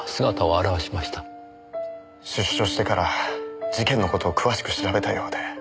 出所してから事件の事を詳しく調べたようで。